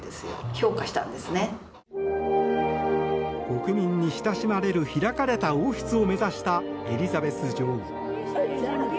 国民に親しまれる開かれた王室を目指したエリザベス女王。